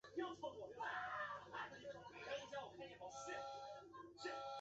中国政府给留在北京的英国谈判代表以外交人员的待遇。